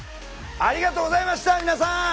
ありがとうございました皆さん！